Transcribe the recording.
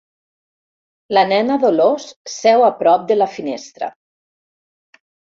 La nena Dolors seu a prop de la finestra.